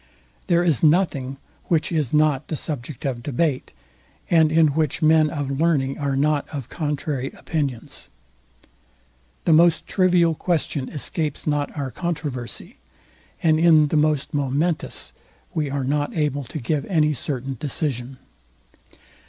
There is nothing which is not the subject of debate, and in which men of learning are not of contrary opinions. The most trivial question escapes not our controversy, and in the most momentous we are not able to give any certain decision.